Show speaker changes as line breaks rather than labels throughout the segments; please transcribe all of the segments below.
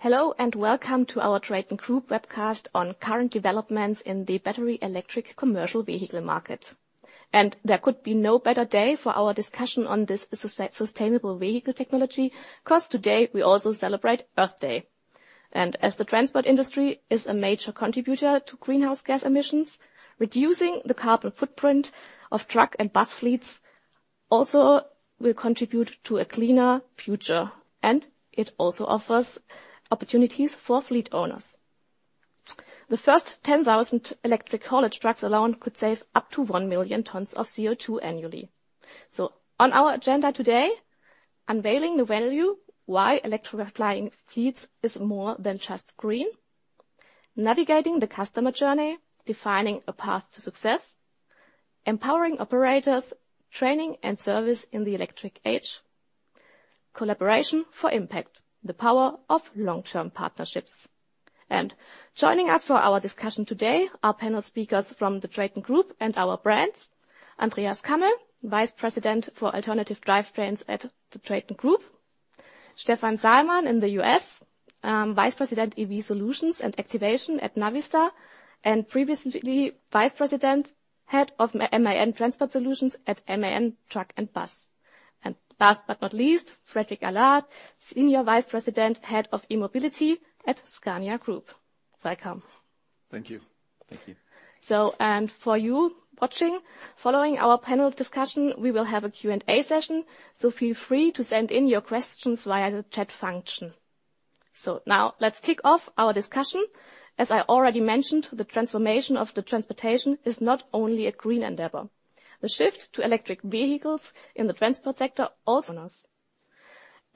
Hello, and welcome to our TRATON GROUP webcast on current developments in the battery electric commercial vehicle market. There could be no better day for our discussion on this sustainable vehicle technology, 'cause today, we also celebrate Earth Day. As the transport industry is a major contributor to greenhouse gas emissions, reducing the carbon footprint of truck and bus fleets also will contribute to a cleaner future, and it also offers opportunities for fleet owners. The first 10,000 electric haulage trucks alone could save up to 1 million tons of CO2 annually. So on our agenda today: unveiling the value, why electrifying fleets is more than just green. Navigating the customer journey, defining a path to success. Empowering operators, training and service in the electric age. Collaboration for impact, the power of long-term partnerships. Joining us for our discussion today, our panel speakers from the TRATON GROUP and our brands, Andreas Kammel, Vice President for Alternative Drivetrains at the TRATON GROUP, Stefan Sahlmann in the U.S., Vice President EV Solutions and Activation at Navistar, and previously Vice President, Head of MAN Transport Solutions at MAN Truck & Bus. And last but not least, Fredrik Allard, Senior Vice President, Head of E-Mobility at Scania Group. Welcome.
Thank you.
Thank you.
So, for you watching, following our panel discussion, we will have a Q&A session, so feel free to send in your questions via the chat function. So now let's kick off our discussion. As I already mentioned, the transformation of the transportation is not only a green endeavor. The shift to electric vehicles in the transport sector also...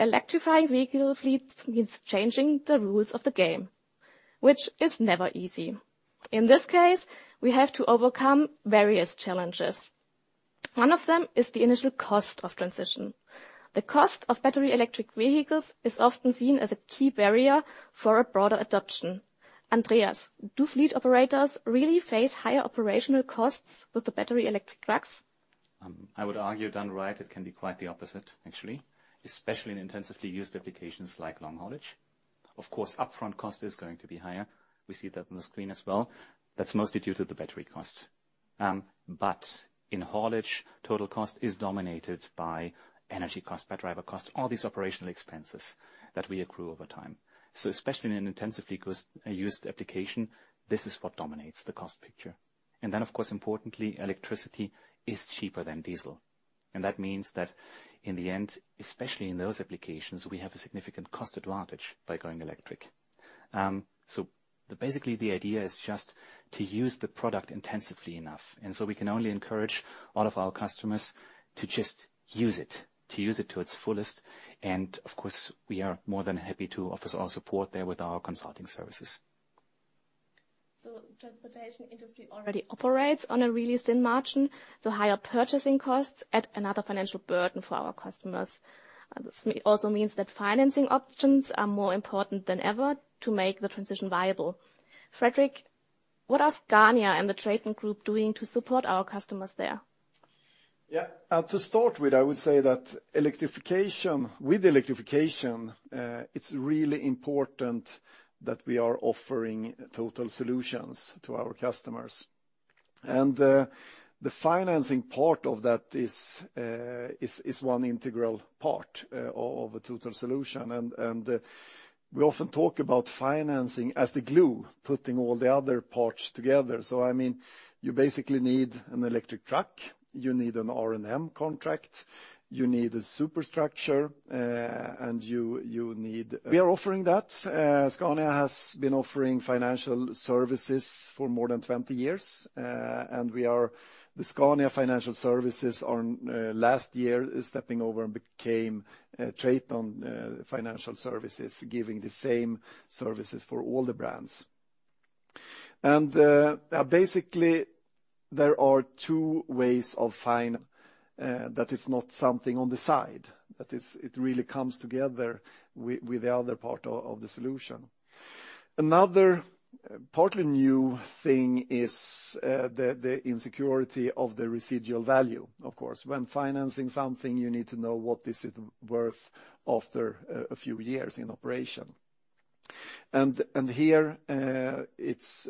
Electrifying vehicle fleets means changing the rules of the game, which is never easy. In this case, we have to overcome various challenges. One of them is the initial cost of transition. The cost of battery electric vehicles is often seen as a key barrier for a broader adoption. Andreas, do fleet operators really face higher operational costs with the battery electric trucks?
I would argue, done right, it can be quite the opposite, actually, especially in intensively used applications like long haulage. Of course, upfront cost is going to be higher. We see that on the screen as well. That's mostly due to the battery cost. But in haulage, total cost is dominated by energy cost, by driver cost, all these operational expenses that we accrue over time. So especially in an intensively used application, this is what dominates the cost picture. And then, of course, importantly, electricity is cheaper than diesel, and that means that in the end, especially in those applications, we have a significant cost advantage by going electric. So basically, the idea is just to use the product intensively enough, and so we can only encourage all of our customers to just use it, to use it to its fullest. Of course, we are more than happy to offer our support there with our consulting services.
So the transportation industry already operates on a really thin margin, so higher purchasing costs add another financial burden for our customers. This also means that financing options are more important than ever to make the transition viable. Fredrik, what are Scania and the TRATON GROUP doing to support our customers there?
Yeah, to start with, I would say that electrification... With electrification, it's really important that we are offering total solutions to our customers. And, the financing part of that is one integral part of a total solution. And, we often talk about financing as the glue, putting all the other parts together. So I mean, you basically need an electric truck, you need an R&M contract, you need a superstructure, and you need... We are offering that. Scania has been offering financial services for more than 20 years, and we are— the Scania Financial Services on last year is stepping over and became TRATON Financial Services, giving the same services for all the brands. Basically, there are two ways that it's not something on the side, that it's it really comes together with the other part of the solution. Another partly new thing is the insecurity of the residual value, of course. When financing something, you need to know what is it worth after a few years in operation. And here, it's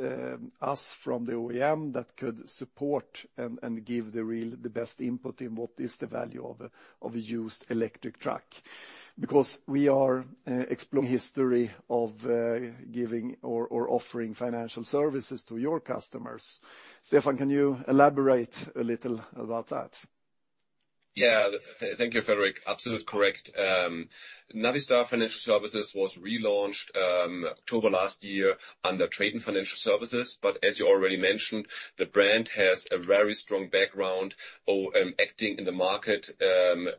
us from the OEM that could support and give the real, best input in what is the value of a used electric truck. Because we are exploiting our history of giving or offering financial services to your customers. Stefan, can you elaborate a little about that?
Yeah. Thank you, Fredrik. Absolutely correct. Navistar Financial Services was relaunched October last year under TRATON Financial Services, but as you already mentioned, the brand has a very strong background acting in the market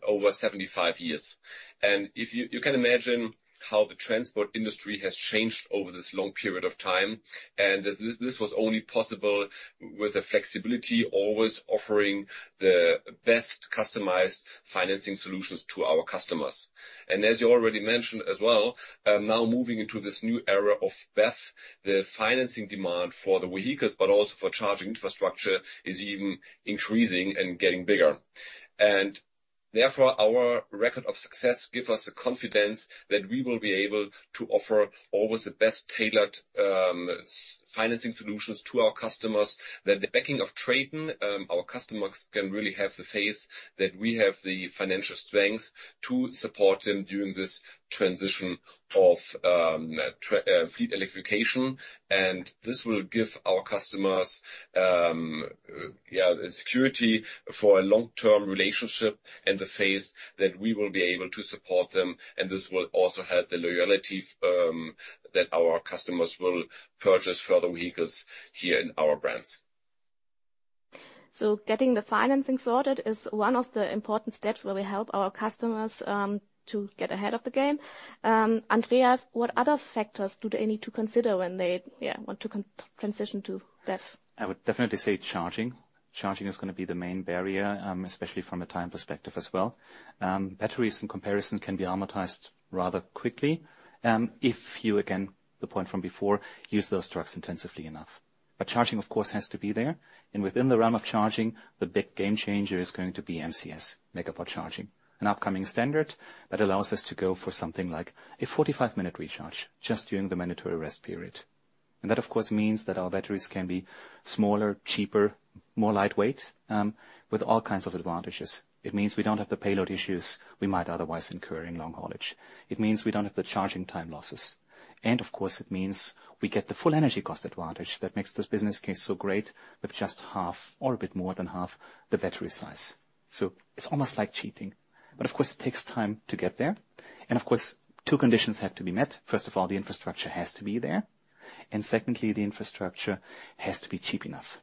over 75 years. If you... You can imagine how the transport industry has changed over this long period of time, and this was only possible with the flexibility, always offering the best customized financing solutions to our customers. As you already mentioned as well, now moving into this new era of BEV, the financing demand for the vehicles, but also for charging infrastructure, is even increasing and getting bigger. Therefore, our record of success gives us the confidence that we will be able to offer always the best-tailored financing solutions to our customers. That the backing of TRATON, our customers can really have the faith that we have the financial strength to support them during this transition of fleet electrification. This will give our customers the security for a long-term relationship, and the faith that we will be able to support them, and this will also help the loyalty that our customers will purchase further vehicles here in our brands.
So getting the financing sorted is one of the important steps where we help our customers to get ahead of the game. Andreas, what other factors do they need to consider when they, yeah, want to transition to BEV?
I would definitely say charging. Charging is going to be the main barrier, especially from a time perspective as well. Batteries, in comparison, can be amortized rather quickly, if you, again, the point from before, use those trucks intensively enough. But charging, of course, has to be there, and within the realm of charging, the big game changer is going to be MCS, Megawatt Charging, an upcoming standard that allows us to go for something like a 45-minute recharge just during the mandatory rest period. And that, of course, means that our batteries can be smaller, cheaper, more lightweight, with all kinds of advantages. It means we don't have the payload issues we might otherwise incur in long haulage. It means we don't have the charging time losses And of course, it means we get the full energy cost advantage that makes this business case so great, with just half or a bit more than half the battery size. So it's almost like cheating. But of course, it takes time to get there, and of course, two conditions have to be met. First of all, the infrastructure has to be there, and secondly, the infrastructure has to be cheap enough.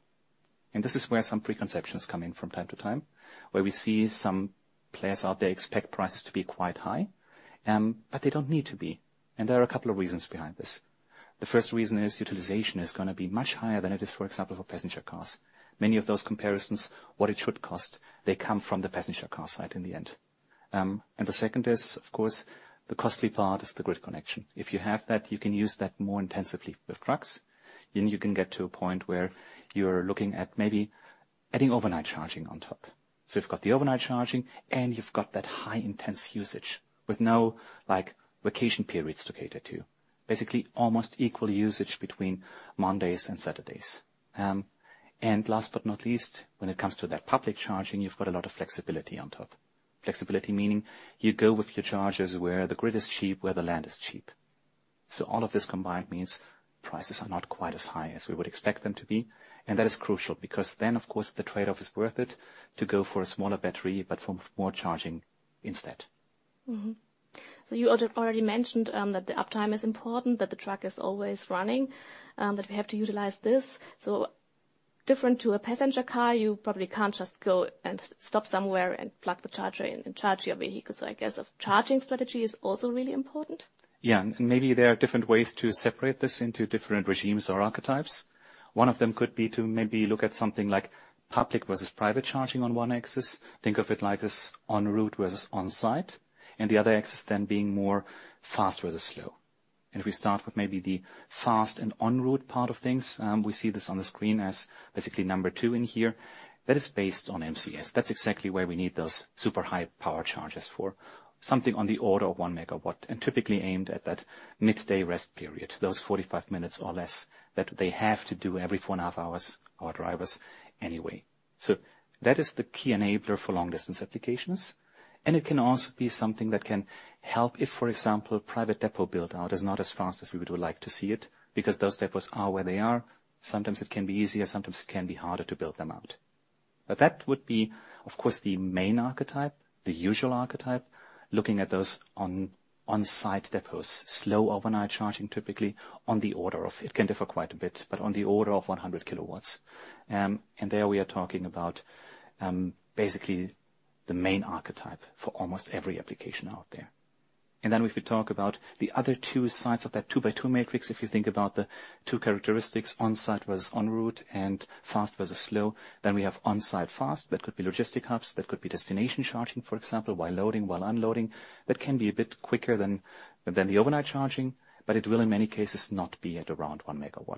And this is where some preconceptions come in from time to time, where we see some players out there expect prices to be quite high, but they don't need to be. And there are a couple of reasons behind this. The first reason is utilization is going to be much higher than it is, for example, for passenger cars. Many of those comparisons, what it should cost, they come from the passenger car side in the end. And the second is, of course, the costly part is the grid connection. If you have that, you can use that more intensively. With trucks, then you can get to a point where you're looking at maybe adding overnight charging on top. So you've got the overnight charging, and you've got that high, intense usage with no, like, vacation periods to cater to. Basically, almost equal usage between Mondays and Saturdays. And last but not least, when it comes to that public charging, you've got a lot of flexibility on top. Flexibility, meaning you go with your chargers where the grid is cheap, where the land is cheap. So all of this combined means prices are not quite as high as we would expect them to be, and that is crucial, because then, of course, the trade-off is worth it to go for a smaller battery, but for more charging instead.
Mm-hmm. You already mentioned that the uptime is important, that the truck is always running, that we have to utilize this. Different to a passenger car, you probably can't just go and stop somewhere and plug the charger in and charge your vehicle. I guess a charging strategy is also really important?
Yeah, and maybe there are different ways to separate this into different regimes or archetypes. One of them could be to maybe look at something like public versus private charging on one axis. Think of it like as en route versus on-site, and the other axis then being more fast versus slow. And if we start with maybe the fast and en route part of things, we see this on the screen as basically number two in here. That is based on MCS. That's exactly where we need those super high power chargers for something on the order of 1 MW, and typically aimed at that midday rest period, those 45 minutes or less that they have to do every 4.5 hours, our drivers, anyway. So that is the key enabler for long-distance applications, and it can also be something that can help if, for example, private depot build-out is not as fast as we would like to see it, because those depots are where they are. Sometimes it can be easier, sometimes it can be harder to build them out. But that would be, of course, the main archetype, the usual archetype. Looking at those on-site depots, slow overnight charging, typically on the order of... It can differ quite a bit, but on the order of 100 kW. And there we are talking about, basically the main archetype for almost every application out there. And then if we talk about the other two sides of that two-by-two matrix, if you think about the two characteristics, on-site versus en route and fast versus slow, then we have on-site fast. That could be logistic hubs, that could be destination charging, for example, while loading, while unloading. That can be a bit quicker than the overnight charging, but it will, in many cases, not be at around 1 MW.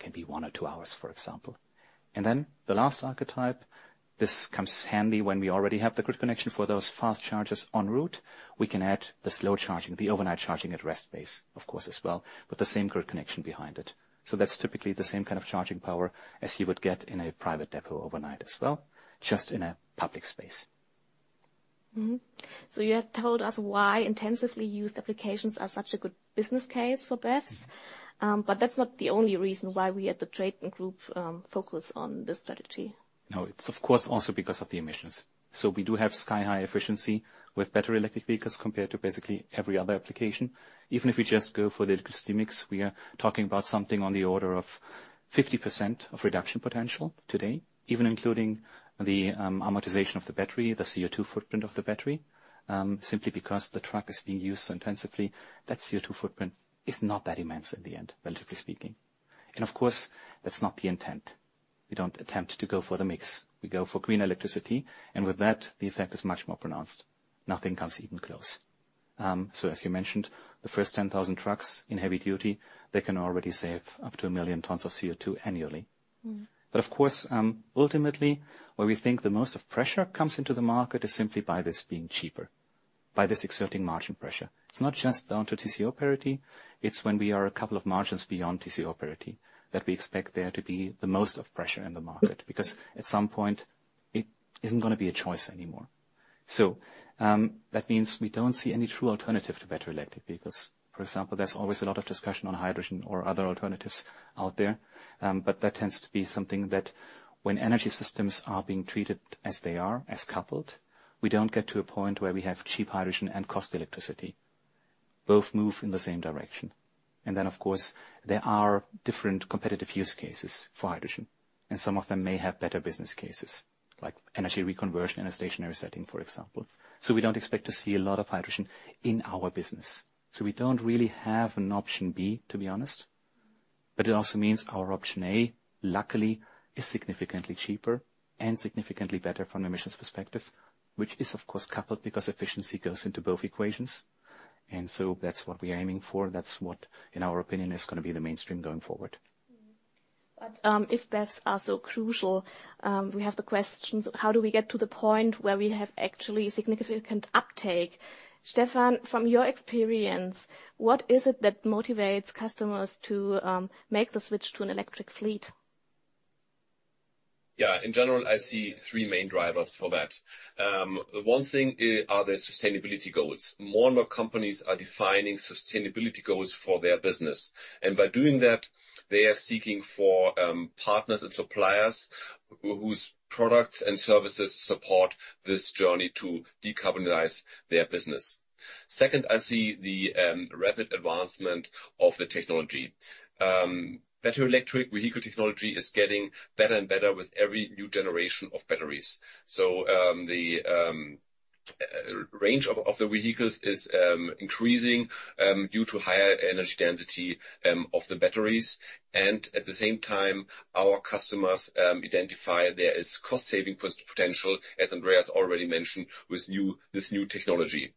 Can be 1 or 2 hours, for example. And then the last archetype, this comes handy when we already have the grid connection for those fast chargers en route. We can add the slow charging, the overnight charging, at rest bays, of course, as well, with the same grid connection behind it. So that's typically the same kind of charging power as you would get in a private depot overnight as well, just in a public space.
Mm-hmm. So you have told us why intensively used applications are such a good business case for BEVs, but that's not the only reason why we at the TRATON GROUP focus on this strategy.
No, it's of course also because of the emissions. So we do have sky-high efficiency with battery electric vehicles compared to basically every other application. Even if we just go for the electricity mix, we are talking about something on the order of 50% reduction potential today, even including the amortization of the battery, the CO2 footprint of the battery. Simply because the truck is being used so intensively, that CO2 footprint is not that immense in the end, relatively speaking. And of course, that's not the intent. We don't attempt to go for the mix. We go for green electricity, and with that, the effect is much more pronounced. Nothing comes even close. So as you mentioned, the first 10,000 trucks in heavy duty, they can already save up to 1 million tons of CO2 annually.
Mm-hmm.
But of course, ultimately, where we think the most of pressure comes into the market is simply by this being cheaper, by this exerting margin pressure. It's not just down to TCO parity, it's when we are a couple of margins beyond TCO parity, that we expect there to be the most of pressure in the market. Because at some point, it isn't gonna be a choice anymore. So, that means we don't see any true alternative to battery electric vehicles. For example, there's always a lot of discussion on hydrogen or other alternatives out there, but that tends to be something that when energy systems are being treated as they are, as coupled, we don't get to a point where we have cheap hydrogen and cheap electricity. Both move in the same direction. And then, of course, there are different competitive use cases for hydrogen, and some of them may have better business cases, like energy reconversion in a stationary setting, for example. So we don't expect to see a lot of hydrogen in our business. So we don't really have an option B, to be honest. But it also means our option A, luckily, is significantly cheaper and significantly better from an emissions perspective, which is, of course, coupled because efficiency goes into both equations. And so that's what we're aiming for, and that's what, in our opinion, is gonna be the mainstream going forward.
Mm-hmm. But, if BEVs are so crucial, we have the questions, how do we get to the point where we have actually significant uptake? Stefan, from your experience, what is it that motivates customers to make the switch to an electric fleet?
Yeah, in general, I see three main drivers for that. One thing are the sustainability goals. More and more companies are defining sustainability goals for their business, and by doing that, they are seeking for partners and suppliers whose products and services support this journey to decarbonize their business. Second, I see the rapid advancement of the technology. Battery electric vehicle technology is getting better and better with every new generation of batteries. So, the range of the vehicles is increasing due to higher energy density of the batteries. And at the same time, our customers identify there is cost-saving potential, as Andreas already mentioned, with new, this new technology.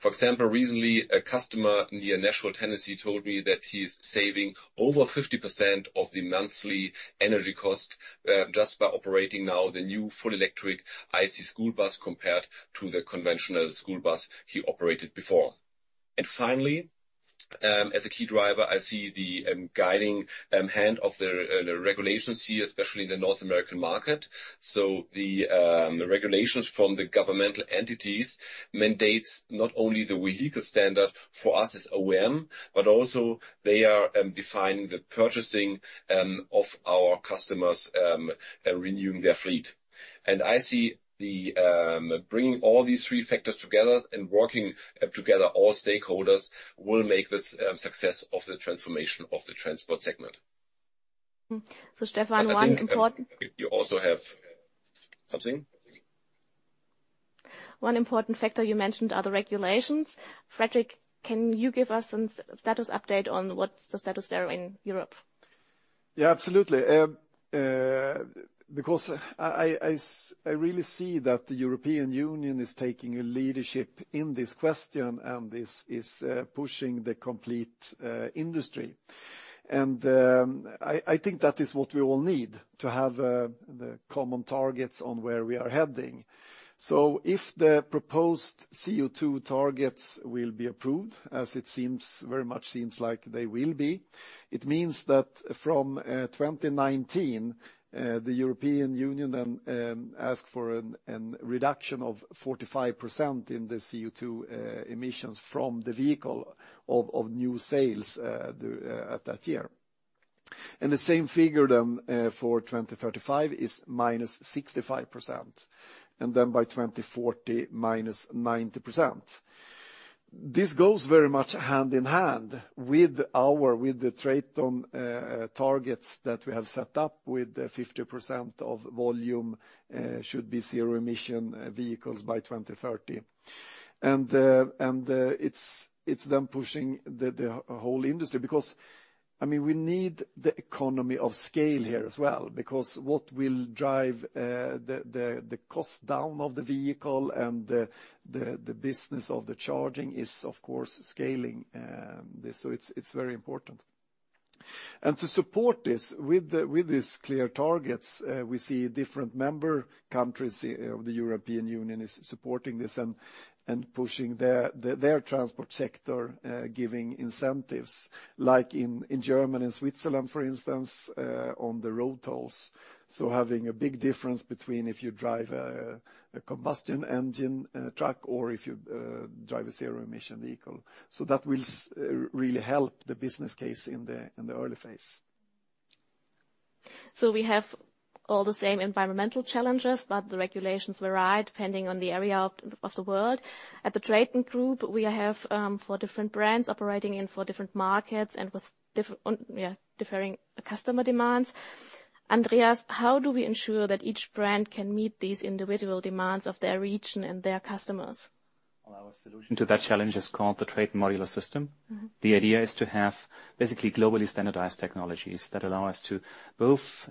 For example, recently, a customer near Nashville, Tennessee, told me that he's saving over 50% of the monthly energy cost, just by operating now the new full electric IC school bus compared to the conventional school bus he operated before. And finally, as a key driver, I see the guiding hand of the regulations here, especially in the North American market. So the regulations from the governmental entities mandates not only the vehicle standard for us as OEM, but also they are defining the purchasing of our customers renewing their fleet. And I see the bringing all these three factors together and working together, all stakeholders, will make this success of the transformation of the transport segment.
Mm-hmm. So Stefan, one important-
You also have something?
One important factor you mentioned are the regulations. Fredrik, can you give us some status update on what's the status there in Europe?
Yeah, absolutely. Because I really see that the European Union is taking a leadership in this question, and this is pushing the complete industry. I think that is what we all need, to have the common targets on where we are heading. So if the proposed CO2 targets will be approved, as it seems, very much seems like they will be, it means that from 2019, the European Union asks for a reduction of 45% in the CO2 emissions from the vehicle of new sales at that year. And the same figure then for 2035 is -65%, and then by 2040, -90%. This goes very much hand in hand with our with the TRATON targets that we have set up, with 50% of volume should be zero emission vehicles by 2030. And it's them pushing the whole industry because, I mean, we need the economy of scale here as well, because what will drive the cost down of the vehicle and the business of the charging is, of course, scaling. So it's very important. And to support this, with these clear targets, we see different member countries of the European Union is supporting this and pushing their transport sector giving incentives, like in Germany and Switzerland, for instance, on the road tolls. So having a big difference between if you drive a combustion engine truck or if you drive a zero-emission vehicle. So that will really help the business case in the early phase.
So we have all the same environmental challenges, but the regulations vary depending on the area of the world. At the TRATON GROUP, we have four different brands operating in four different markets and with differing customer demands. Andreas, how do we ensure that each brand can meet these individual demands of their region and their customers?
Well, our solution to that challenge is called the TRATON Modular System.
Mm-hmm.
The idea is to have basically globally standardized technologies that allow us to both,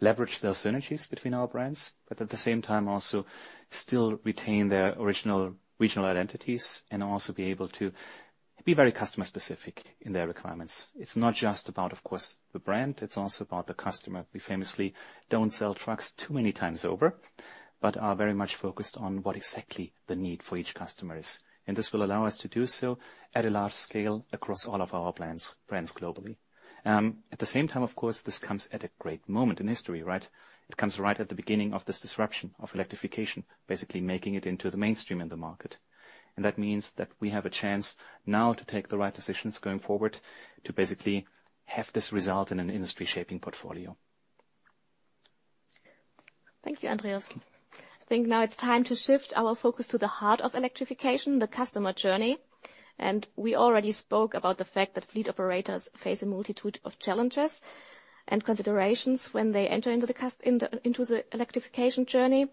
leverage those synergies between our brands, but at the same time, also still retain their original regional identities and also be able to be very customer specific in their requirements. It's not just about, of course, the brand, it's also about the customer. We famously don't sell trucks too many times over, but are very much focused on what exactly the need for each customer is, and this will allow us to do so at a large scale across all of our brands globally. At the same time, of course, this comes at a great moment in history, right? It comes right at the beginning of this disruption of electrification, basically making it into the mainstream in the market. That means that we have a chance now to take the right decisions going forward, to basically have this result in an industry-shaping portfolio.
Thank you, Andreas. I think now it's time to shift our focus to the Heart of Electrification, the customer journey. We already spoke about the fact that fleet operators face a multitude of challenges and considerations when they enter into the electrification journey.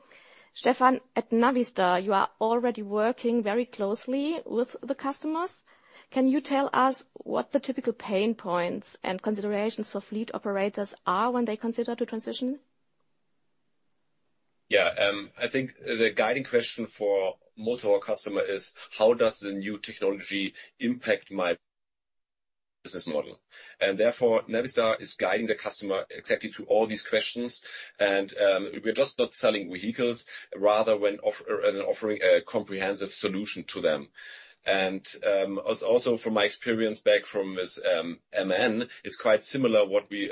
Stefan, at Navistar, you are already working very closely with the customers. Can you tell us what the typical pain points and considerations for fleet operators are when they consider to transition?
Yeah, I think the guiding question for most of our customer is: how does the new technology impact my business model? And therefore, Navistar is guiding the customer exactly through all these questions. And, we're just not selling vehicles, rather offering a comprehensive solution to them. And, also from my experience back from this MAN, it's quite similar what we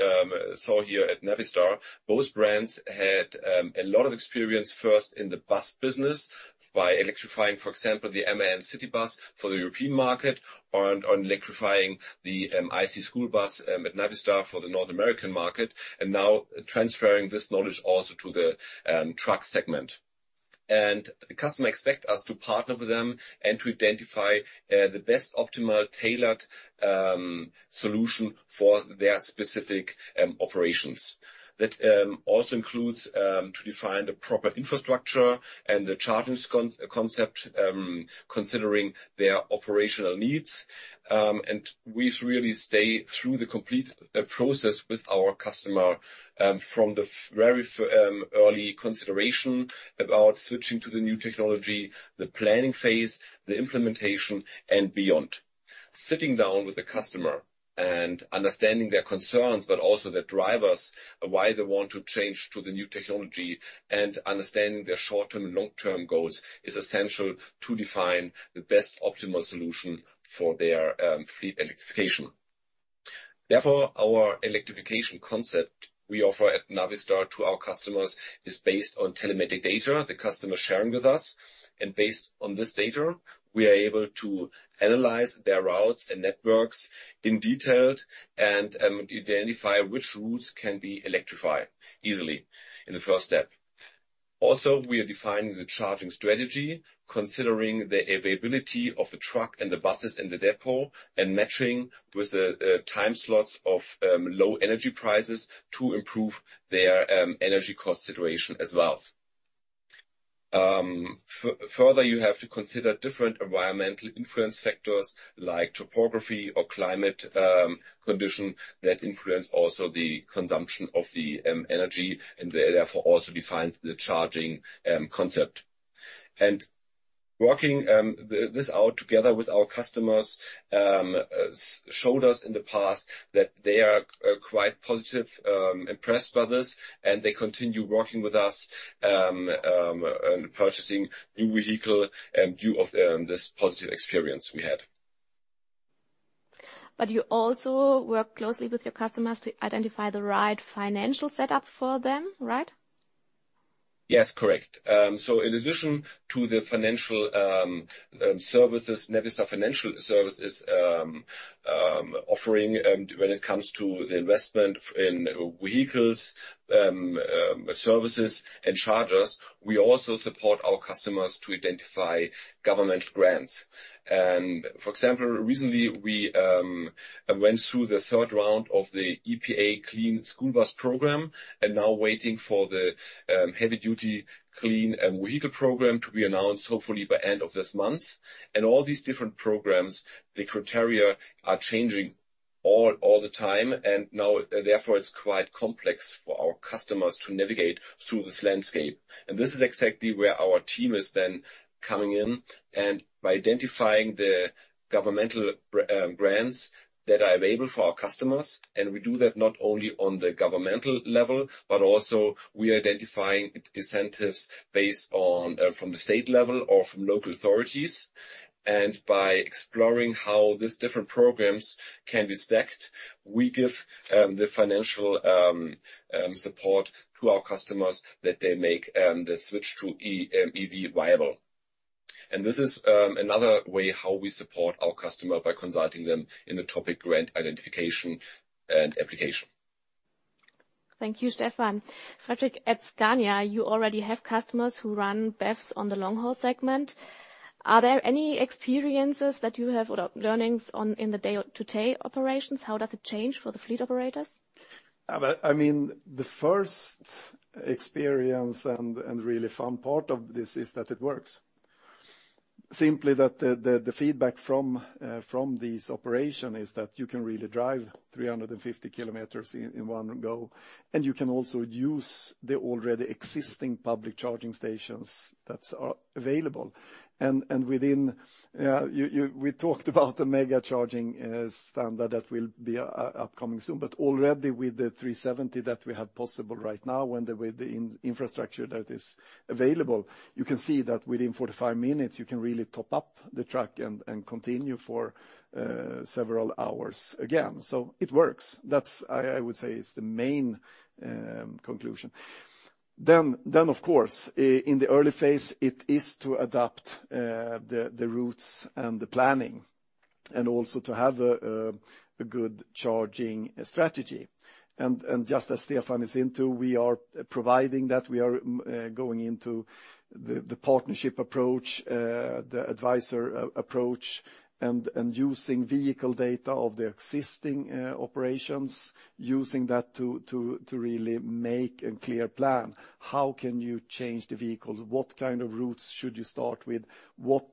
saw here at Navistar. Both brands had a lot of experience, first in the bus business, by electrifying, for example, the MAN city bus for the European market, or on electrifying the IC school bus at Navistar for the North American market, and now transferring this knowledge also to the truck segment. And the customer expect us to partner with them and to identify the best optimal, tailored solution for their specific operations. That also includes to define the proper infrastructure and the charging concept, considering their operational needs. And we really stay through the complete process with our customer, from the very early consideration about switching to the new technology, the planning phase, the implementation, and beyond. Sitting down with the customer and understanding their concerns, but also their drivers, why they want to change to the new technology, and understanding their short-term and long-term goals, is essential to define the best optimal solution for their fleet electrification. Therefore, our electrification concept we offer at Navistar to our customers is based on telematic data the customer is sharing with us, and based on this data, we are able to analyze their routes and networks in detail and identify which routes can be electrified easily in the first step. Also, we are defining the charging strategy, considering the availability of the truck and the buses in the depot, and matching with the time slots of low energy prices to improve their energy cost situation as well. Further, you have to consider different environmental influence factors like topography or climate condition that influence also the consumption of the energy, and therefore also define the charging concept. Working this out together with our customers showed us in the past that they are quite positively impressed by this, and they continue working with us on purchasing new vehicle, and in view of this positive experience we had.
But you also work closely with your customers to identify the right financial setup for them, right?
Yes, correct. So in addition to the financial services, Navistar Financial Services offering, when it comes to the investment in vehicles, services and chargers, we also support our customers to identify government grants. And for example, recently we went through the third round of the EPA Clean School Bus Program, and now waiting for the Heavy Duty Clean Vehicle Program to be announced, hopefully by end of this month. And all these different programs, the criteria are changing all the time, and now, therefore, it's quite complex for our customers to navigate through this landscape. This is exactly where our team is then coming in, and by identifying the governmental grants that are available for our customers, and we do that not only on the governmental level, but also we are identifying incentives based on from the state level or from local authorities. By exploring how these different programs can be stacked, we give the financial support to our customers that they make the switch to EV viable. This is another way how we support our customer, by consulting them in the topic grant identification and application.
Thank you, Stefan. Fredrik, at Scania, you already have customers who run BEVs on the long-haul segment. Are there any experiences that you have or learnings on in the day-to-day operations? How does it change for the fleet operators?
But I mean, the first experience and really fun part of this is that it works. Simply that the feedback from this operation is that you can really drive 350 km in one go, and you can also use the already existing public charging stations that are available. And within, we talked about the Megawatt Charging standard that will be upcoming soon, but already with the 370 that we have possible right now, and with the infrastructure that is available, you can see that within 45 minutes, you can really top up the truck and continue for several hours again. So it works. That's... I would say is the main conclusion. Then, of course, in the early phase, it is to adapt the routes and the planning, and also to have a good charging strategy. And just as Stefan is into, we are providing that. We are going into the partnership approach, the advisor approach, and using vehicle data of the existing operations, using that to really make a clear plan. How can you change the vehicle? What kind of routes should you start with? What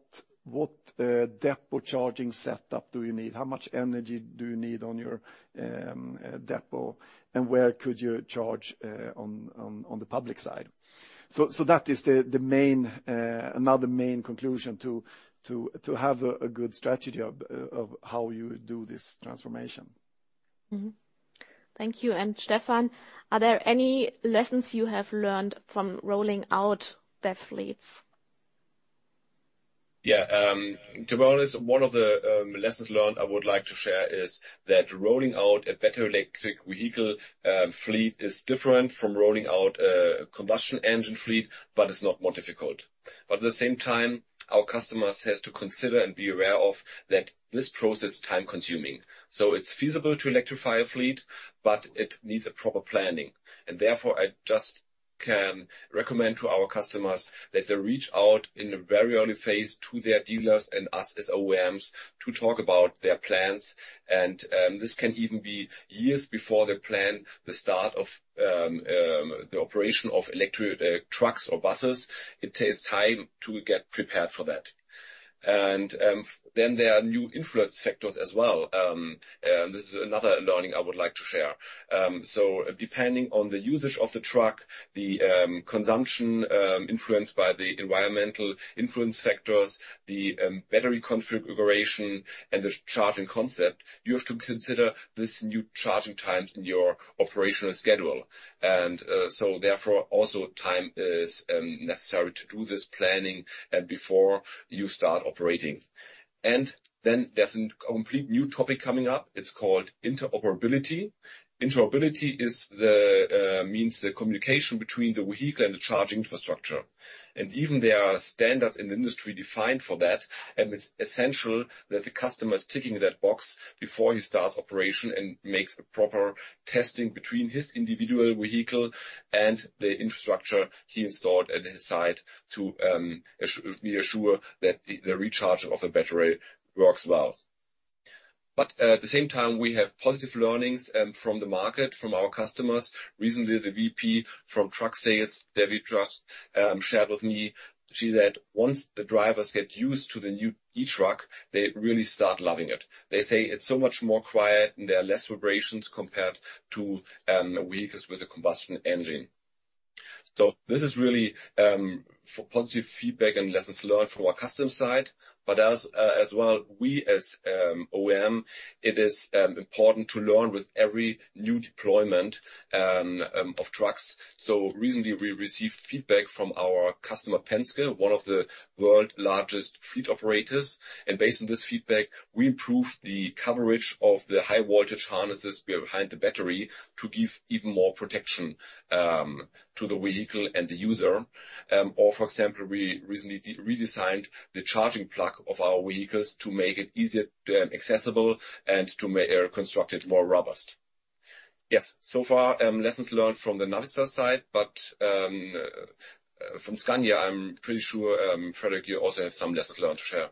depot charging setup do you need? How much energy do you need on your depot, and where could you charge on the public side? So that is the main, another main conclusion to have a good strategy of how you do this transformation.
Mm-hmm. Thank you. And Stefan, are there any lessons you have learned from rolling out BEV fleets?
Yeah, to be honest, one of the lessons learned I would like to share is that rolling out a battery electric vehicle fleet is different from rolling out a combustion engine fleet, but it's not more difficult. But at the same time, our customers has to consider and be aware of that this process is time-consuming. So it's feasible to electrify a fleet, but it needs a proper planning. And therefore, I just can recommend to our customers that they reach out in the very early phase to their dealers and us as OEMs to talk about their plans, and this can even be years before they plan the start of the operation of electric trucks or buses. It takes time to get prepared for that. And then there are new influence factors as well. This is another learning I would like to share. So depending on the usage of the truck, the consumption, influenced by the environmental influence factors, the battery configuration, and the charging concept, you have to consider these new charging times in your operational schedule. So therefore, also time is necessary to do this planning and before you start operating. Then there's a complete new topic coming up. It's called interoperability. Interoperability is the means the communication between the vehicle and the charging infrastructure, and even there are standards in the industry defined for that, and it's essential that the customer is ticking that box before he starts operation and makes a proper testing between his individual vehicle and the infrastructure he installed at his site to be assured that the recharge of the battery works well. But at the same time, we have positive learnings from the market, from our customers. Recently, the VP from Truck Sales, Debbie Shust, shared with me, she said, "Once the drivers get used to the new e-truck, they really start loving it. They say it's so much more quiet, and there are less vibrations compared to vehicles with a combustion engine." So this is really positive feedback and lessons learned from our customer side, but as well, we as OEM, it is important to learn with every new deployment of trucks. So recently, we received feedback from our customer, Penske, one of the world's largest fleet operators, and based on this feedback, we improved the coverage of the high-voltage harnesses behind the battery to give even more protection to the vehicle and the user. For example, we recently redesigned the charging plug of our vehicles to make it easier accessible and to make construct it more robust. Yes, so far, lessons learned from the Navistar side, but from Scania, I'm pretty sure, Fredrik, you also have some lessons learned to share.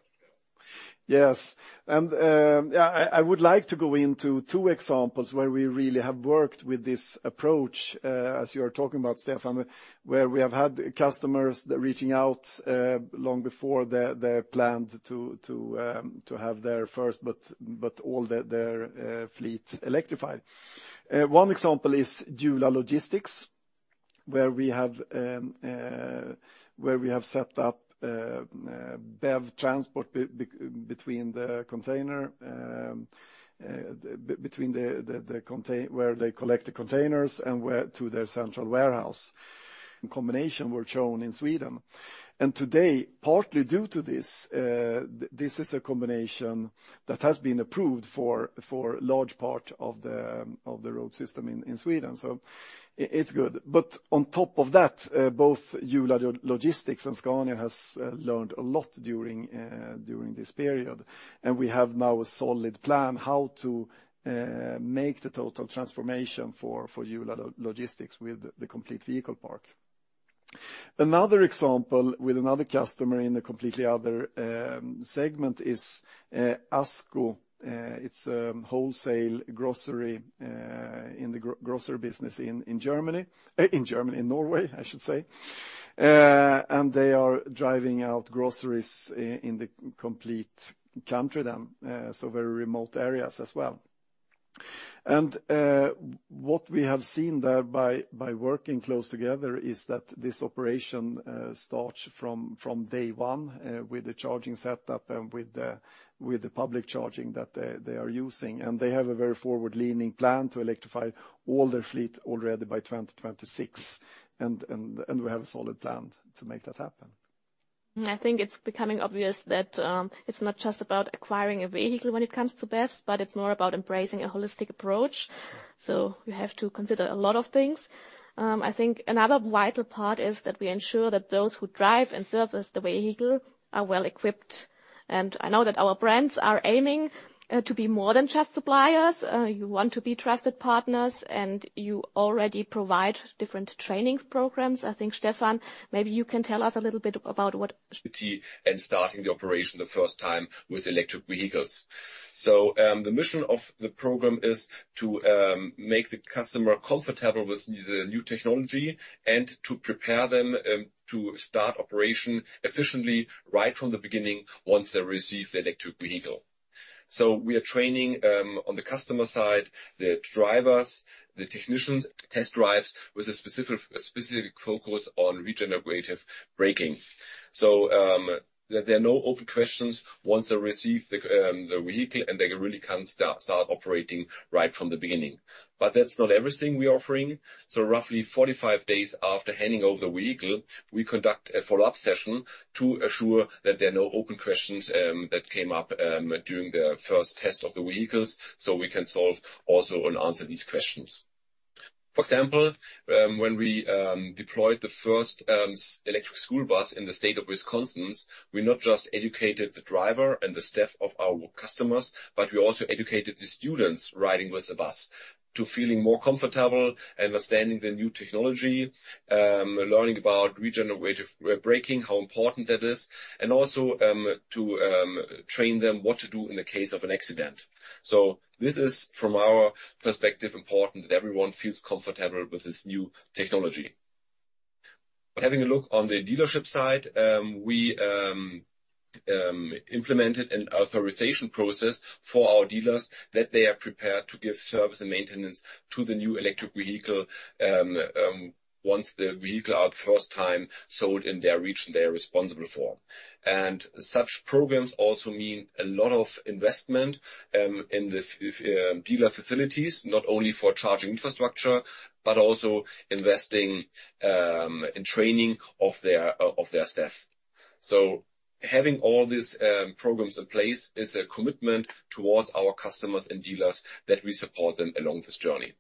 Yes, and, yeah, I would like to go into two examples where we really have worked with this approach, as you are talking about, Stefan, where we have had customers reaching out, long before their plan to have their first, but all their fleet electrified. One example is GEODIS Logistics, where we have set up BEV transport between the container where they collect the containers and where to their central warehouse. The combination were shown in Sweden, and today, partly due to this, this is a combination that has been approved for large part of the road system in Sweden, so it's good. But on top of that, both GEODIS Logistics and Scania has learned a lot during this period, and we have now a solid plan how to make the total transformation for GEODIS Logistics with the complete vehicle park. Another example with another customer in a completely other segment is ASKO. It's a wholesale grocery in the grocery business in Germany, in Norway, I should say. And they are driving out groceries in the complete country then, so very remote areas as well. And what we have seen there by working close together is that this operation starts from day one with the charging setup and with the public charging that they are using. They have a very forward-leaning plan to electrify all their fleet already by 2026, and we have a solid plan to make that happen.
I think it's becoming obvious that it's not just about acquiring a vehicle when it comes to BEVs, but it's more about embracing a holistic approach. So we have to consider a lot of things. I think another vital part is that we ensure that those who drive and service the vehicle are well-equipped. And I know that our brands are aiming to be more than just suppliers. You want to be trusted partners, and you already provide different training programs. I think, Stefan, maybe you can tell us a little bit about what-
Starting the operation the first time with electric vehicles. The mission of the program is to make the customer comfortable with the new technology and to prepare them to start operation efficiently right from the beginning once they receive the electric vehicle. We are training, on the customer side, the drivers, the technicians, test drives with a specific focus on regenerative braking. There are no open questions once they receive the vehicle, and they really can start operating right from the beginning. But that's not everything we are offering. Roughly 45 days after handing over the vehicle, we conduct a follow-up session to assure that there are no open questions that came up during the first test of the vehicles, so we can solve also and answer these questions. For example, when we deployed the first electric school bus in the state of Wisconsin, we not just educated the driver and the staff of our customers, but we also educated the students riding with the bus to feeling more comfortable, understanding the new technology, learning about regenerative braking, how important that is, and also to train them what to do in the case of an accident. So this is, from our perspective, important that everyone feels comfortable with this new technology. Having a look on the dealership side, we implemented an authorization process for our dealers that they are prepared to give service and maintenance to the new electric vehicle, once the vehicle are first time sold in their region they are responsible for. Such programs also mean a lot of investment in the dealer facilities, not only for charging infrastructure, but also investing in training of their staff. So having all these programs in place is a commitment towards our customers and dealers that we support them along this journey.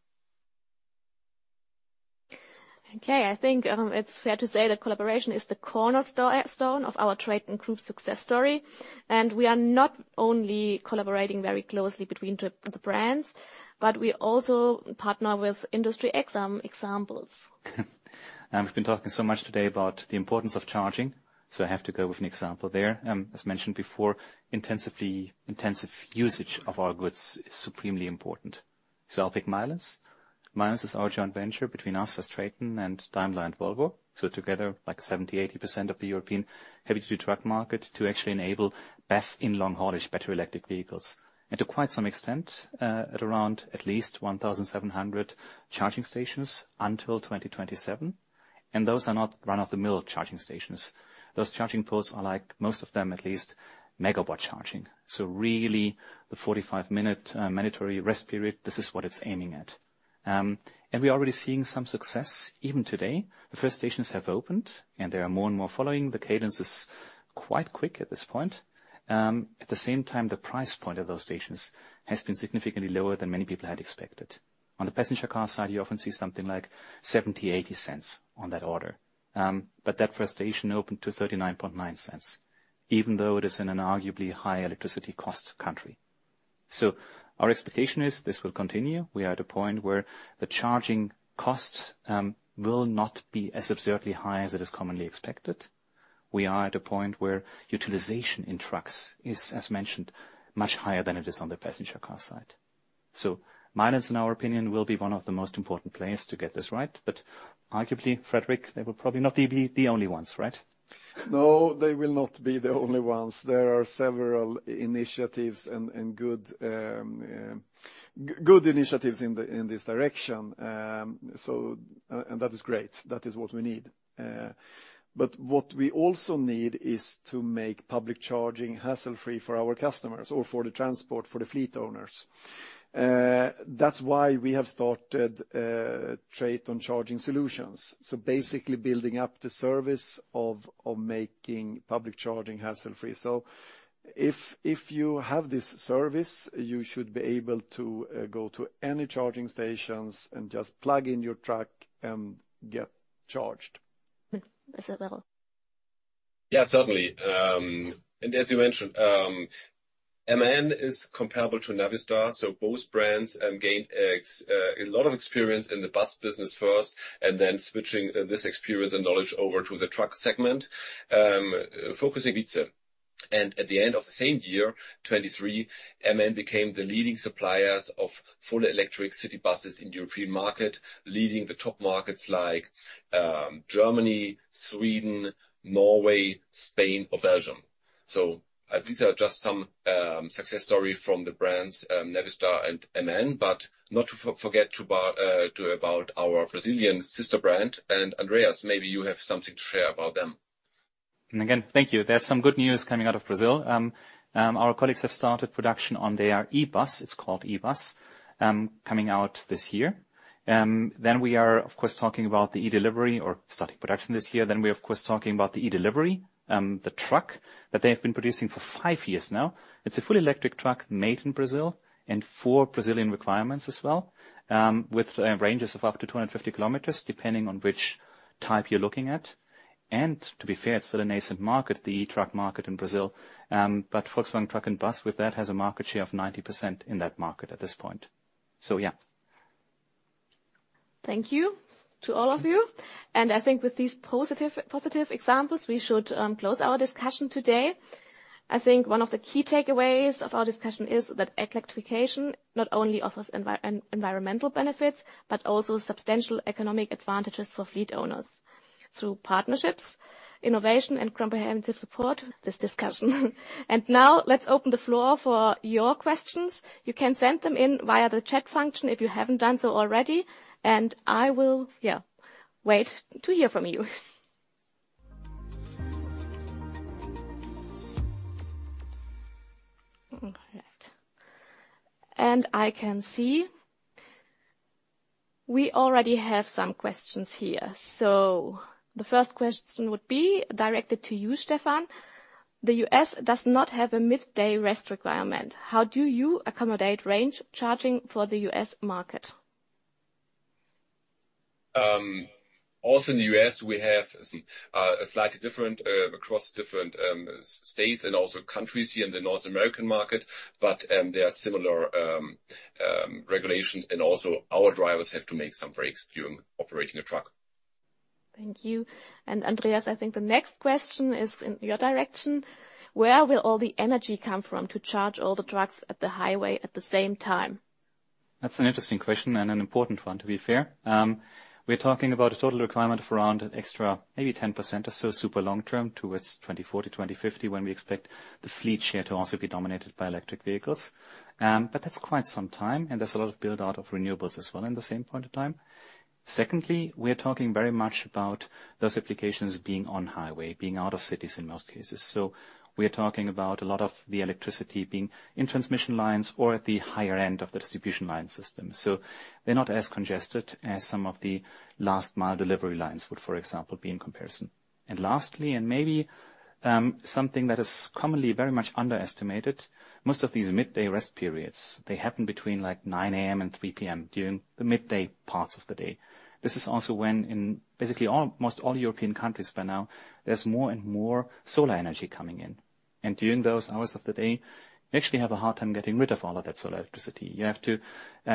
Okay, I think it's fair to say that collaboration is the cornerstone of our TRATON GROUP success story, and we are not only collaborating very closely between the brands, but we also partner with industry examples.
We've been talking so much today about the importance of charging, so I have to go with an example there. As mentioned before, intensive usage of our goods is supremely important. So I'll pick Milence. Milence is our joint venture between us, as TRATON, and Daimler and Volvo, so together, like 70%-80% of the European heavy-duty truck market, to actually enable BEV in long haulage battery electric vehicles. And to quite some extent, at around at least 1,700 charging stations until 2027, and those are not run-of-the-mill charging stations. Those charging posts are like, most of them, at least Megawatt Charging. So really, the 45-minute mandatory rest period, this is what it's aiming at. And we're already seeing some success even today. The first stations have opened, and there are more and more following. The cadence is quite quick at this point. At the same time, the price point of those stations has been significantly lower than many people had expected. On the passenger car side, you often see something like 0.70-0.80 on that order. But that first station opened to 0.399, even though it is in an arguably high electricity cost country. So our expectation is this will continue. We are at a point where the charging cost will not be as absurdly high as it is commonly expected. We are at a point where utilization in trucks is, as mentioned, much higher than it is on the passenger car side. So Milence, in our opinion, will be one of the most important players to get this right. But arguably, Fredrik, they will probably not be the only ones, right?
No, they will not be the only ones. There are several initiatives and good initiatives in this direction. That is great. That is what we need. But what we also need is to make public charging hassle-free for our customers or for the transport, for the fleet owners. That's why we have started TRATON Charging Solutions. Basically, building up the service of making public charging hassle-free. So if you have this service, you should be able to go to any charging stations and just plug in your truck and get charged.
Hmm, say a little.
Yeah, certainly. And as you mentioned, MAN is comparable to Navistar, so both brands gained a lot of experience in the bus business first, and then switching this experience and knowledge over to the truck segment, focusing via. And at the end of the same year, 2023, MAN became the leading suppliers of full electric city buses in European market, leading the top markets like Germany, Sweden, Norway, Spain, or Belgium. So, these are just some success story from the brands Navistar and MAN, but not to forget about our Brazilian sister brand, and Andreas, maybe you have something to share about them.
And again, thank you. There's some good news coming out of Brazil. Our colleagues have started production on their eBus. It's called eBus, coming out this year. Then we are, of course, talking about the e-Delivery or starting production this year. Then we are, of course, talking about the e-Delivery, the truck that they have been producing for five years now. It's a fully electric truck made in Brazil and for Brazilian requirements as well, with ranges of up to 250 km, depending on which type you're looking at. And to be fair, it's still a nascent market, the e-truck market in Brazil. But Volkswagen Truck & Bus with that has a market share of 90% in that market at this point. So yeah.
Thank you to all of you. I think with these positive, positive examples, we should close our discussion today. I think one of the key takeaways of our discussion is that electrification not only offers environmental benefits, but also substantial economic advantages for fleet owners through partnerships, innovation, and comprehensive support, this discussion. Now let's open the floor for your questions. You can send them in via the chat function if you haven't done so already, and I will wait to hear from you. All right. I can see we already have some questions here. So the first question would be directed to you, Stefan: The U.S. does not have a midday rest requirement. How do you accommodate range charging for the U.S. market?
Also, in the US, we have a slightly different across different states and also countries here in the North American market, but there are similar regulations, and also our drivers have to make some breaks during operating a truck.
Thank you. Andreas, I think the next question is in your direction: Where will all the energy come from to charge all the trucks at the highway at the same time?
That's an interesting question and an important one, to be fair. We're talking about a total requirement of around an extra, maybe 10% or so, super long-term, towards 2040, 2050, when we expect the fleet share to also be dominated by electric vehicles. But that's quite some time, and there's a lot of build-out of renewables as well in the same point of time. Secondly, we're talking very much about those applications being on highway, being out of cities in most cases. So we're talking about a lot of the electricity being in transmission lines or at the higher end of the distribution line system. So they're not as congested as some of the last mile delivery lines would, for example, be in comparison. Lastly, and maybe, something that is commonly very much underestimated, most of these midday rest periods, they happen between, like, 9:00 A.M. and 3:00 P.M. during the midday parts of the day. This is also when in basically all, most all European countries by now, there's more and more solar energy coming in. And during those hours of the day, you actually have a hard time getting rid of all of that solar electricity. You have to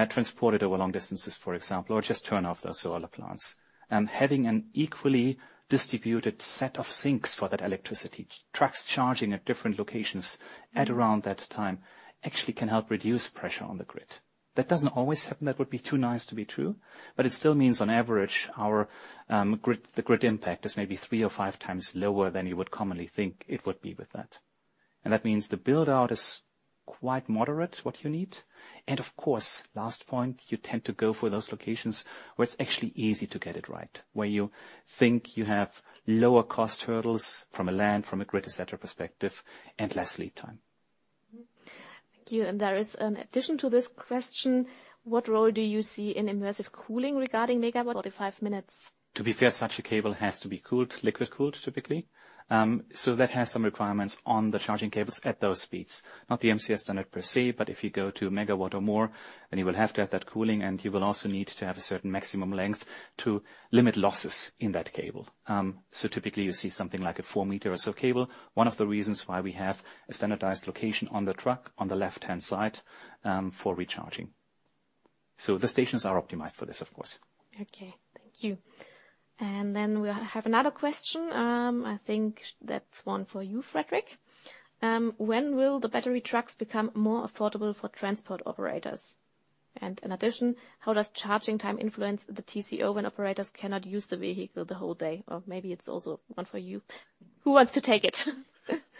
transport it over long distances, for example, or just turn off the solar plants. And having an equally distributed set of sinks for that electricity, trucks charging at different locations at around that time, actually can help reduce pressure on the grid. That doesn't always happen. That would be too nice to be true, but it still means, on average, our grid, the grid impact is maybe three or five times lower than you would commonly think it would be with that. And that means the build-out is quite moderate, what you need. And of course, last point, you tend to go for those locations where it's actually easy to get it right, where you think you have lower cost hurdles from a land, from a grid et cetera perspective, and less lead time.
Thank you. There is an addition to this question: What role do you see in immersion cooling regarding megawatt or 35 minutes?
To be fair, such a cable has to be cooled, liquid-cooled, typically. So that has some requirements on the charging cables at those speeds, not the MCS standard per se, but if you go to megawatt or more, then you will have to have that cooling, and you will also need to have a certain maximum length to limit losses in that cable. So typically, you see something like a 4-meter or so cable, one of the reasons why we have a standardized location on the truck, on the left-hand side, for recharging. So the stations are optimized for this, of course.
Okay, thank you. And then we have another question. I think that's one for you, Fredrik. When will the battery trucks become more affordable for transport operators? And in addition, how does charging time influence the TCO when operators cannot use the vehicle the whole day? Or maybe it's also one for you. Who wants to take it?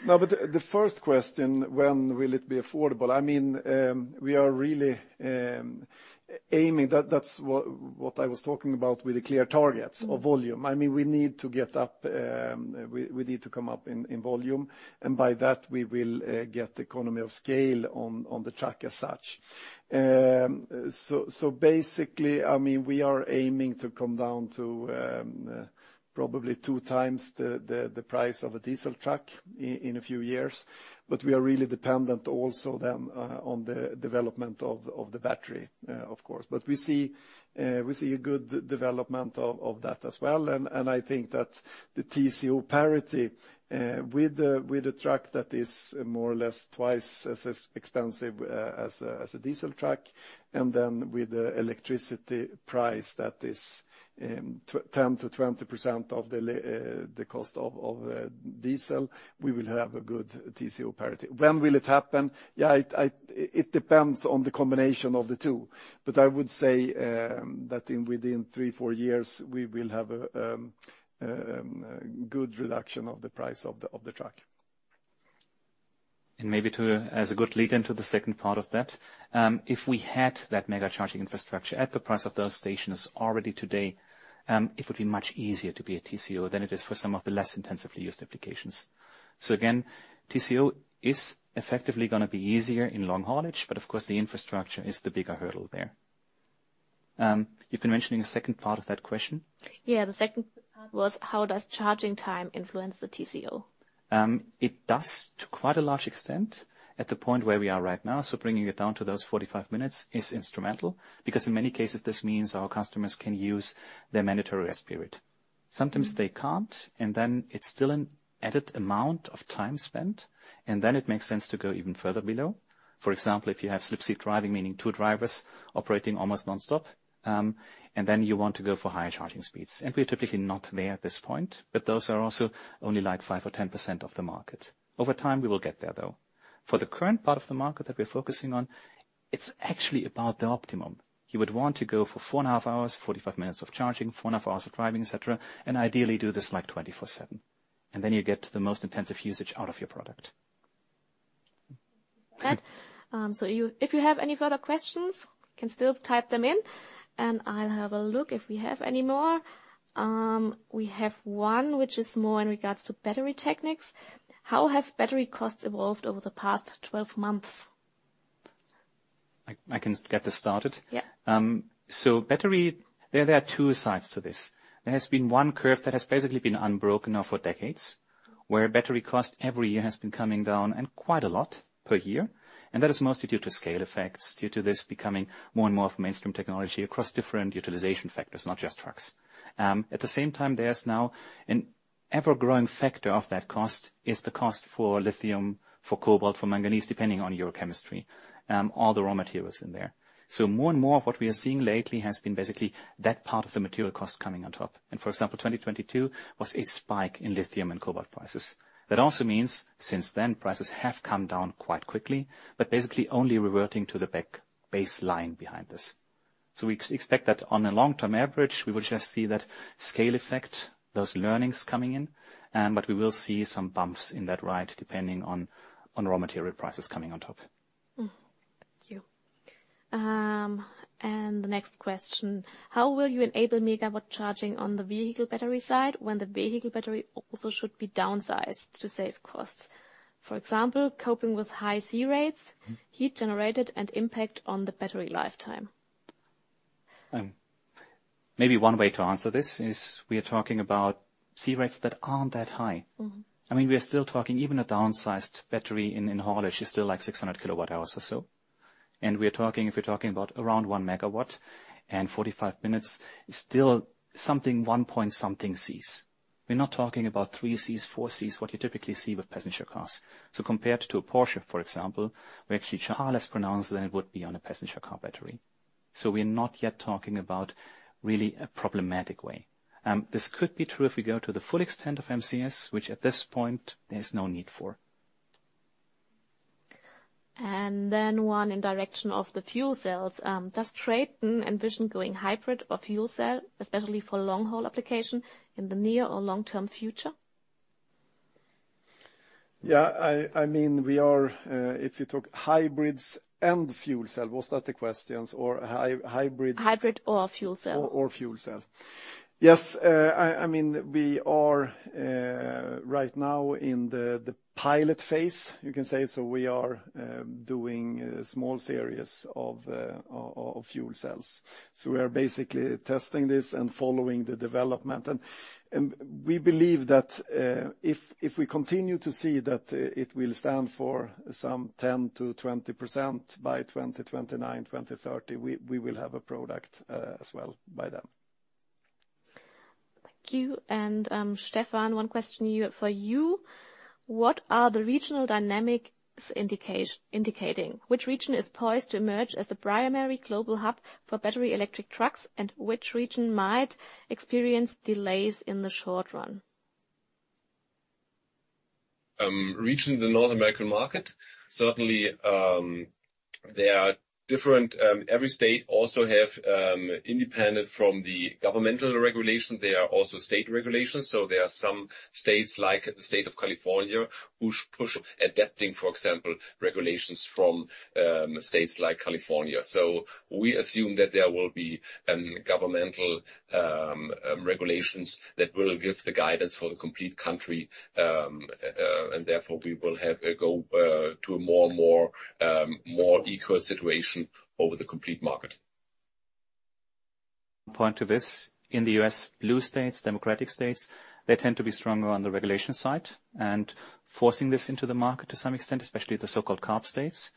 No, but the first question, when will it be affordable? I mean, we are really aiming... That, that's what I was talking about with the clear targets of volume. I mean, we need to get up, we need to come up in volume, and by that, we will get the economy of scale on the truck as such. So basically, I mean, we are aiming to come down to probably two times the price of a diesel truck in a few years, but we are really dependent also then on the development of the battery, of course. But we see a good development of that as well. I think that the TCO parity with the truck that is more or less twice as expensive as a diesel truck, and then with the electricity price that is 10%-20% of the cost of diesel, we will have a good TCO parity. When will it happen? It depends on the combination of the two, but I would say that within 3-4 years, we will have a good reduction of the price of the truck.
And maybe to, as a good lead-in to the second part of that, if we had that Mega Charging infrastructure at the price of those stations already today, it would be much easier to be a TCO than it is for some of the less intensively used applications. So again, TCO is effectively gonna be easier in long haulage, but of course, the infrastructure is the bigger hurdle there. You've been mentioning a second part of that question?
Yeah, the second part was, how does charging time influence the TCO?
It does to quite a large extent, at the point where we are right now, so bringing it down to those 45 minutes is instrumental, because in many cases, this means our customers can use their mandatory rest period. Sometimes they can't, and then it's still an added amount of time spent, and then it makes sense to go even further below. For example, if you have slip-seat driving, meaning two drivers operating almost nonstop, and then you want to go for higher charging speeds. And we're typically not there at this point, but those are also only, like, 5% or 10% of the market. Over time, we will get there, though. For the current part of the market that we're focusing on, it's actually about the optimum. You would want to go for 4.5 hours, 45 minutes of charging, 4.5 hours of driving, et cetera, and ideally do this, like, 24/7. And then you get the most intensive usage out of your product.
Right. So, if you have any further questions, you can still type them in, and I'll have a look if we have any more. We have one which is more in regards to battery techniques. How have battery costs evolved over the past 12 months?
I can get this started.
Yeah.
So battery, there are two sides to this. There has been one curve that has basically been unbroken now for decades, where battery cost every year has been coming down, and quite a lot per year, and that is mostly due to scale effects, due to this becoming more and more of a mainstream technology across different utilization factors, not just trucks. At the same time, there's now an ever-growing factor of that cost, is the cost for lithium, for cobalt, for manganese, depending on your chemistry, all the raw materials in there. So more and more of what we are seeing lately has been basically that part of the material cost coming on top. And, for example, 2022 was a spike in lithium and cobalt prices. That also means since then, prices have come down quite quickly, but basically only reverting to the back baseline behind this. So we expect that on a long-term average, we will just see that scale effect, those learnings coming in, but we will see some bumps in that ride, depending on raw material prices coming on top.
Thank you. And the next question: How will you enable Megawatt Charging on the vehicle battery side, when the vehicle battery also should be downsized to save costs? For example, coping with high C-rates-
Mm.
Heat generated, and impact on the battery lifetime.
Maybe one way to answer this is we are talking about C-rates that aren't that high.
Mm-hmm.
I mean, we are still talking, even a downsized battery in haulage is still, like, 600 kWh or so. And we are talking, if we're talking about around 1 MW and 45 minutes, still something, 1-point-something Cs. We're not talking about 3 Cs, 4 Cs, what you typically see with passenger cars. So compared to a Porsche, for example, we're actually far less pronounced than it would be on a passenger car battery. So we're not yet talking about really a problematic way. This could be true if we go to the full extent of MCS, which at this point, there's no need for.
Then one in the direction of the fuel cells. Does TRATON envision going hybrid or fuel cell, especially for long-haul application, in the near or long-term future?
Yeah, I mean, if you talk hybrids and fuel cell, was that the questions? Or hybrids-
Hybrid or fuel cell.
Or, or fuel cell. Yes, I mean, we are right now in the pilot phase, you can say, so we are doing a small series of fuel cells. So we are basically testing this and following the development. And we believe that, if we continue to see that it will stand for some 10%-20% by 2029, 2030, we will have a product as well by then.
Thank you. Stefan, one question for you: What are the regional dynamics indicating? Which region is poised to emerge as the primary global hub for battery electric trucks, and which region might experience delays in the short run?
Region, the North American market, certainly, there are different. Every state also have independent from the governmental regulation. There are also state regulations. So there are some states, like the state of California, who push adapting, for example, regulations from states like California. So we assume that there will be governmental regulations that will give the guidance for the complete country, and therefore, we will have a go to a more and more more equal situation over the complete market.
Point to this, in the U.S., blue states, Democratic states, they tend to be stronger on the regulation side and forcing this into the market to some extent, especially the so-called CARB states.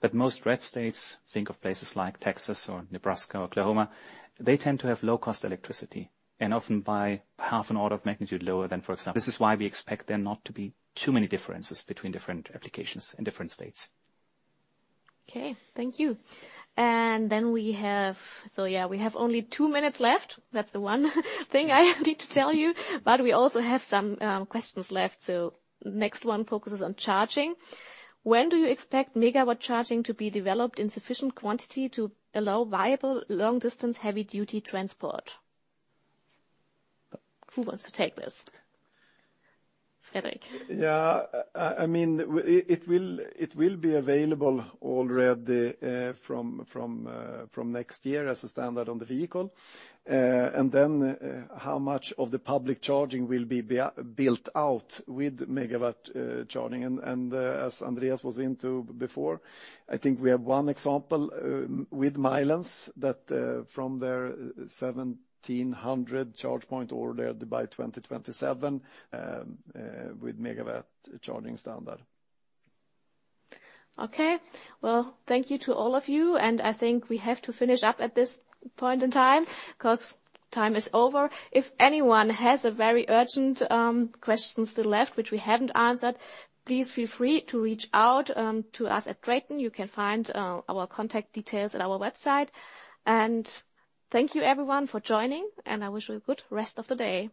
But most red states, think of places like Texas or Nebraska or Oklahoma, they tend to have low-cost electricity, and often by half an order of magnitude lower than, for example... This is why we expect there not to be too many differences between different applications in different states.
Okay, thank you. Then we have... So yeah, we have only two minutes left. That's the one thing I need to tell you, but we also have some questions left. So next one focuses on charging: When do you expect Megawatt Charging to be developed in sufficient quantity to allow viable long-distance, heavy-duty transport? Who wants to take this? Fredrik.
Yeah, I mean, it will be available already from next year as a standard on the vehicle. And then, how much of the public charging will be built out with Megawatt Charging? And, as Andreas went into before, I think we have one example with Milence that from their 1,700 charge points ordered by 2027 with Megawatt Charging standard.
Okay. Well, thank you to all of you, and I think we have to finish up at this point in time, 'cause time is over. If anyone has a very urgent questions still left, which we haven't answered, please feel free to reach out to us at TRATON. You can find our contact details at our website. And thank you, everyone, for joining, and I wish you a good rest of the day.